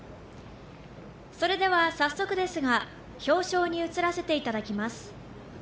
それでは、早速ですが、表彰に移らせていただきます。